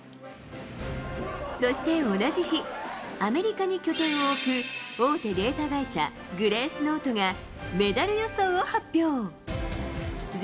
そして同じ日、アメリカに拠点を置く大手データ会社、グレースノートが、メダル予想を発表。